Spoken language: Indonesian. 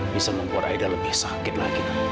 bisa membuat aida lebih sakit lagi